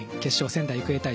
仙台育英対